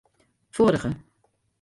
Foarige.